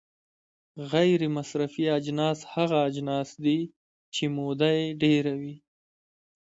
غیر مصرفي اجناس هغه اجناس دي چې موده یې ډیره وي.